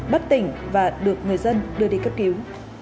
bất tỉnh và được người dân đưa đi cấp cứu